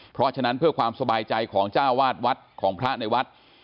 เพราะฉะนั้นเพื่อความสบายใจของเจ้าวาดวัดของพระในวัด